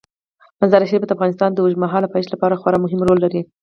مزارشریف د افغانستان د اوږدمهاله پایښت لپاره خورا مهم رول لري.